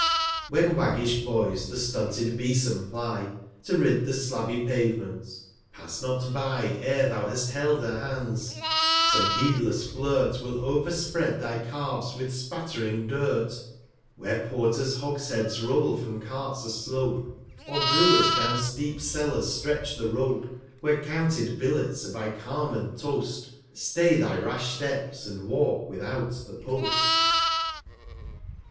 ^ 90 When waggish Boys the stunted Beesom ply, To rid the slabby Pavement; pass not by E'er thou hast held their Hands; some heedless Flirt Will over spread thy Calves with spatt'ring Dirt. Where Porters Hogsheads roll from Carts aslope, 95 Or Brewers down steep Cellars stretch the Rope, Where counted Billets are by Carmen tost; Stay thy rash Steps, and walk without the Post.